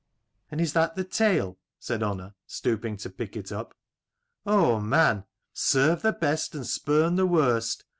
"And is that the tale?" said Unna, stooping to pick it up. "Oh, man ! serve the best and spurn the worst.